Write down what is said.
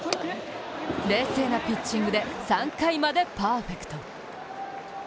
冷静なピッチングで３回までパーフェクト。